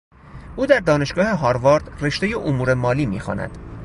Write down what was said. او در دانشگاه هاروارد رشته امور مالی میخواند.